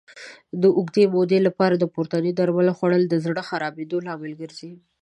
د اوږدې مودې لپاره د پورتنیو درملو خوړل د زړه خرابېدو لامل ګرځي.